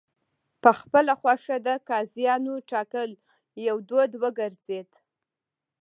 په خپله خوښه د قاضیانو ټاکل یو دود وګرځېد.